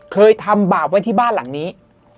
เคยทำบาปไว้ที่บ้านหลังนี้